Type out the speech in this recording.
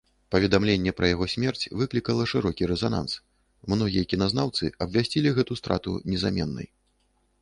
Паведамленне пра яго смерць выклікала шырокі рэзананс, многія кіназнаўцы абвясцілі гэту страту незаменнай.